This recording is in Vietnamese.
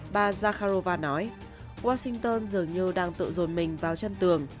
bà zakharova nói washington dường như đang tự dồn mình vào chân tường